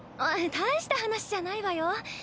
あっ大した話じゃないわよ。